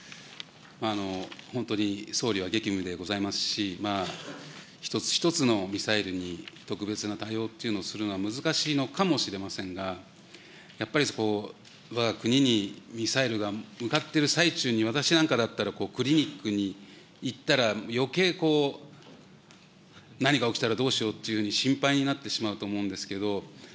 本当に総理は激務でございますし、一つ一つのミサイルに特別な対応するというのをするのは難しいのかもしれませんが、やっぱりわが国にミサイルが向かっている最中に、私なんかだったらクリニックに行ったら、よけい何が起きたらどうしようというふうに心配になってしまうと思うんですけど。